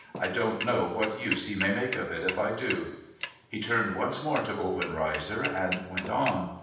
I don't know what use he may make of it if I do.' He turned once more to Obenreizer, and went on.